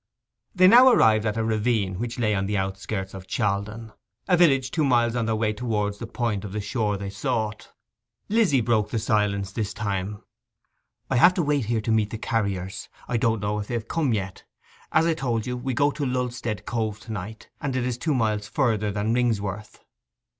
They now arrived at a ravine which lay on the outskirts of Chaldon, a village two miles on their way towards the point of the shore they sought. Lizzy broke the silence this time: 'I have to wait here to meet the carriers. I don't know if they have come yet. As I told you, we go to Lulstead Cove to night, and it is two miles further than Ringsworth.